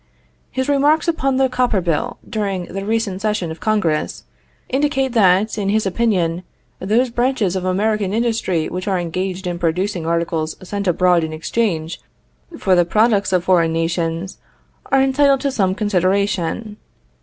His remarks upon the copper bill, during the recent session of Congress, indicate that, in his opinion, those branches of American industry which are engaged in producing articles sent abroad in exchange for the products of foreign nations, are entitled to some consideration.